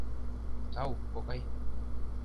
— Тау, кокай!